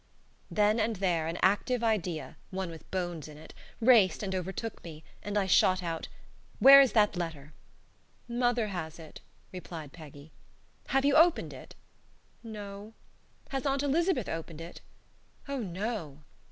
Then and there an active idea one with bones in it raced and overtook me, and I shot out: "Where is that letter?" "Mother has it," replied Peggy. "Have you opened it?" "No." "Has Aunt Elizabeth opened it?" "Oh no!"